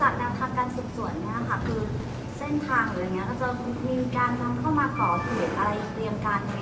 คือเส้นทางอะไรอย่างเงี้ยก็จะมีการนำเข้ามาก่อเหตุอะไร